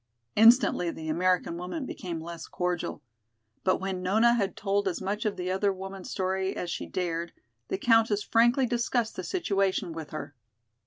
Instantly the American woman became less cordial. But when Nona had told as much of the other woman's story as she dared, the Countess frankly discussed the situation with her.